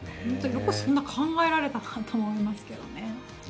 本当によくそんなに考えられたなと思いますけどね。